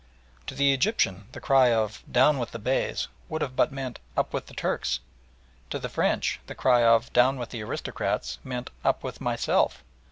To the Egyptian the cry of "Down with the Beys!" would but have meant "Up with the Turks!" To the French the cry of "Down with the aristocrats!" meant "Up with myself!"